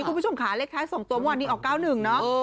คุณผู้ชมค่ะเลขท้าย๒ตัวเมื่อวานนี้ออก๙๑เนาะ